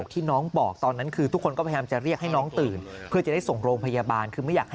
ที่น้องบอกตอนนั้นทุกคนจะคอยเรียกให้น้องตื่น